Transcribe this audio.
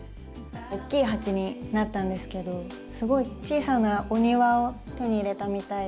大きい鉢になったんですけどすごい小さなお庭を手に入れたみたいで。